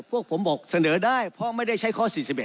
พวกผมบอกเสนอได้เพราะไม่ได้ใช้ข้อ๔๑